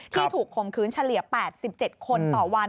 ที่ถูกคมคืนเฉลี่ย๘๗คนต่อวัน